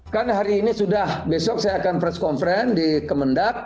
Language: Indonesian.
kan hari ini sudah besok saya akan press conference di kemendak